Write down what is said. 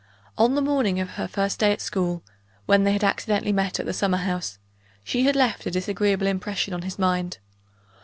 On the morning of her first day at school, when they had accidentally met at the summer house, she had left a disagreeable impression on his mind.